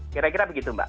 kira kira begitu mbak